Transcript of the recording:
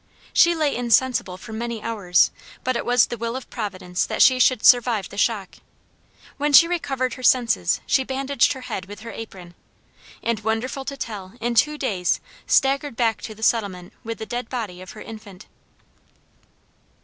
She lay insensible for many hours; but it was the will of Providence that she should survive the shock. When she recovered her senses she bandaged her head with her apron, and wonderful to tell, in two days staggered back to the settlement with the dead body of her infant.